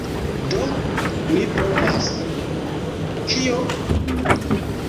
Do mi povas... kio?